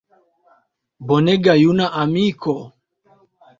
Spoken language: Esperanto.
Bonega juna amiko!